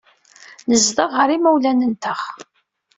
Nezdeɣ ɣer yimawlan-nteɣ.